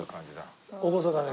厳かな。